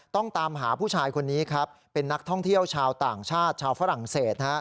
ต้องตามหาผู้ชายคนนี้ครับเป็นนักท่องเที่ยวชาวต่างชาติชาวฝรั่งเศส